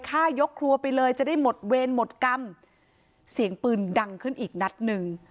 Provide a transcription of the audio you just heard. ยกครัวไปเลยจะได้หมดเวรหมดกรรมเสียงปืนดังขึ้นอีกนัดหนึ่ง